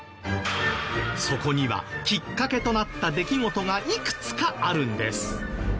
そこにはきっかけとなった出来事がいくつかあるんです。